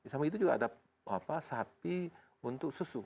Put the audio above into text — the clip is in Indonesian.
sama itu juga ada sapi untuk susu